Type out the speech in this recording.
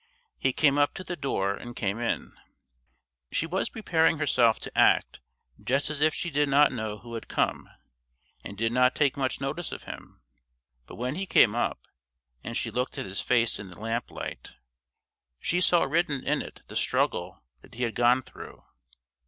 He came up to the door and came in. She was preparing herself to act just as if she did not know who had come, and did not take much notice of him; but when he came up and she looked at his face in the lamp light, she saw written in it the struggle that he had gone through.